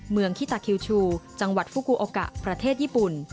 คิตาคิวชูจังหวัดฟุกูโอกะประเทศญี่ปุ่น